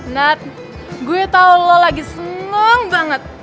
nat gue tau lo lagi seneng banget